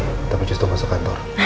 kita berjustu masuk kantor